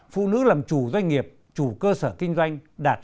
phụ nữ làm chủ doanh nghiệp chủ cơ sở kinh doanh đạt hơn hai mươi bảy tám